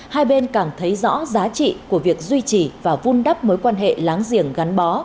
hai bên càng thấy rõ giá trị của việc duy trì và vun đắp mối quan hệ láng giềng gắn bó